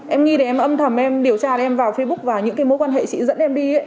em nghĩ thì em âm thầm em điều tra em vào facebook và những cái mối quan hệ chị dẫn em đi